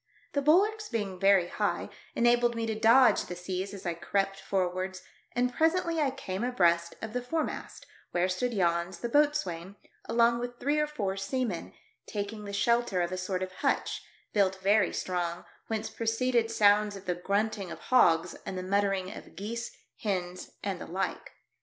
The bulwarks being very high, enabled me to dodge the seas as I crept forwards, and presently I came abreast of the foremast, where stood Jans, the boatswain, along with three or four seamen, taking the shelter of a sort of hutch, built very strong, whence pro ceeded sounds of the grunting of hogs, and the muttering of geese, hens and the like.